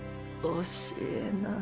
教えなーい。